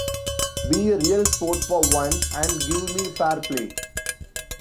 Be a real sport for once and give me fair play.